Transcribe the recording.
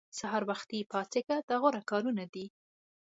سهار وختي پاڅېږه دا غوره کارونه دي.